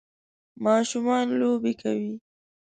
ماشومان لوبی کوی.